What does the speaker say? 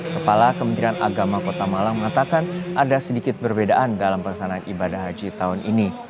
kepala kementerian agama kota malang mengatakan ada sedikit perbedaan dalam pelaksanaan ibadah haji tahun ini